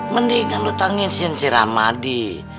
mendingan lo tangisin si ramadi